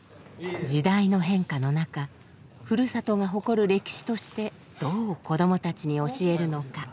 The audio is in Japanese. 時代の変化の中ふるさとが誇る歴史としてどう子どもたちに教えるのか。